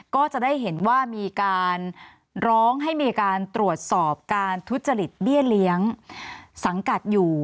ก็จะได้เห็นว่ามีการร้องให้มีการตรวจสอบการทุจริตเบี้ยเลี้ยงสังกัดอยู่